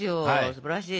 すばらしい！